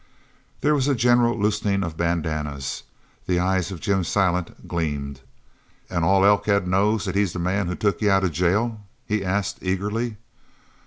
There was a general loosening of bandanas. The eyes of Jim Silent gleamed. "And all Elkhead knows that he's the man who took you out of jail?" he asked eagerly.